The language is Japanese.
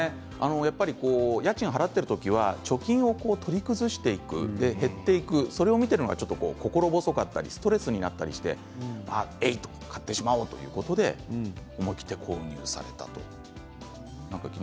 家賃を払っている時は貯金を取り崩していく減っていく、それを見ているのが心細かったりストレスになったりしてえいっと買ってしまおうということで、思い切って購入されたと。